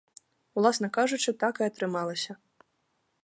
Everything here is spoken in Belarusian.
Уласна кажучы, так і атрымалася.